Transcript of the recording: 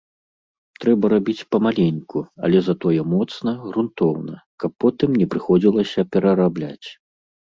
Трэба рабіць памаленьку, але затое моцна, грунтоўна, каб потым не прыходзілася перарабляць.